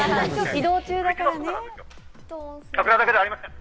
移動中だからね。